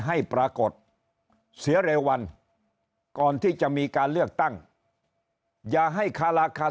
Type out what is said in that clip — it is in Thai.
ให้ปรากฏเสียเร็ววันก่อนที่จะมีการเลือกตั้งอย่าให้คาราคา